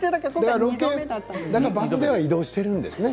バスでは移動しているんですね